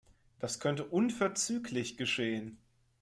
Das könnte unverzüglich geschehen.